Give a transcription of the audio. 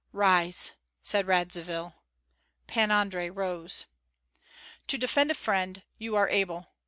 "Rise!" said Radzivill. Pan Andrei rose. "To defend a friend you are able.